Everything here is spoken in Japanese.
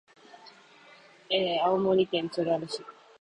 青森県つがる市